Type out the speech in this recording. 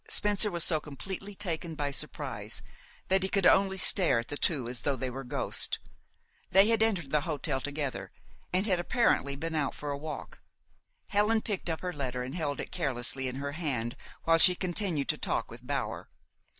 Spencer was so completely taken by surprise that he could only stare at the two as though they were ghosts. They had entered the hotel together, and had apparently been out for a walk. Helen picked up her letter and held it carelessly in her hand while she continued to talk with Bower.